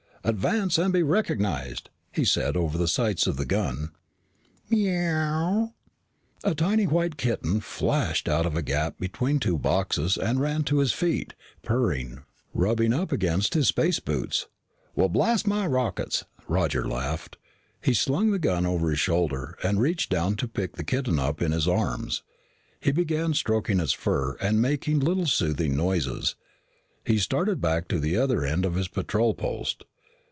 "Advance and be recognized," he said over the sights of the gun. "Mee ooo wwww!" A tiny white kitten flashed out of a gap between two boxes and ran to his feet, purring, rubbing up against his space boots. "Well, blast my rockets!" Roger laughed. He slung the gun over his shoulder and reached down to pick the kitten up in his arms. He began stroking its fur and making little soothing noises. He started back to the other end of his patrol post.